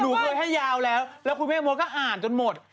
เคยให้ยาวแล้วแล้วคุณแม่มดก็อ่านจนหมด